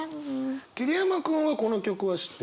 桐山君はこの曲は知ってる？